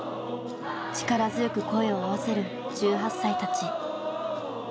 力強く声を合わせる１８歳たち。